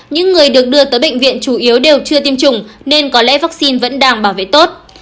những người được đưa tới bệnh viện chủ yếu đều chưa tiêm chủng nên có lẽ vaccine vẫn đang bảo vệ tốt